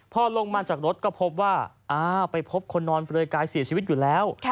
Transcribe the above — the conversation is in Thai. พอลงมาจากรถก็พบว่าไปพบคนนอนเปลือยกายเสียชีวิตอยู่แล้ว